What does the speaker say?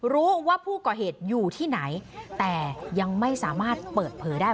รู้ว่าผู้ก่อเหตุอยู่ที่ไหนแต่ยังไม่สามารถเปิดเผยได้